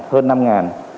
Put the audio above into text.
hơn năm ngàn